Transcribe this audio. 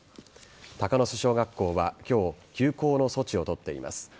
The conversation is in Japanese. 鷹巣小学校は今日休校の措置を取っています。